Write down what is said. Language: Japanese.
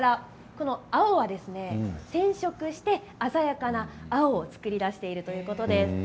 この青は、染色して鮮やかな青を作り出しているということです。